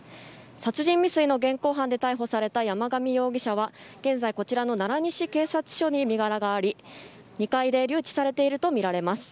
殺人未遂の現行犯で逮捕された山上容疑者は現在、こちらの奈良西警察署に身柄があり２階で留置されているとみられます。